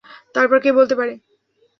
তারপর কে বলতে পারে?